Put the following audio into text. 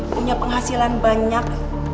punya penghasilan banyak